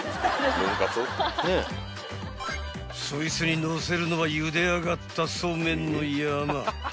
［そいつにのせるのはゆであがったそうめんの山］